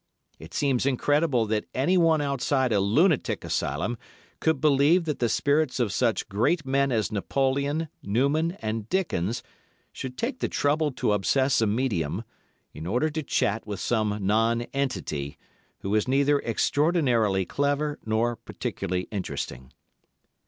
It seems incredible that anyone outside a lunatic asylum could believe that the spirits of such great men as Napoleon, Newman and Dickens should take the trouble to obsess a medium, in order to chat with some nonentity, who is neither extraordinarily clever nor particularly interesting.